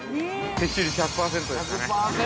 ◆的中率、１００％でしたね。